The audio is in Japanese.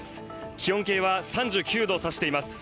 気温計は３９度を指しています。